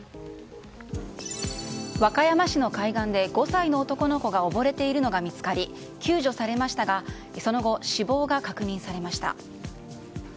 和歌山市の海岸で５歳の男の子が溺れているのが見つかり救助されましたがその後、死亡が確認されました。